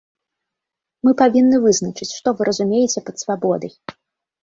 Мы павінны вызначыць, што вы разумееце пад свабодай.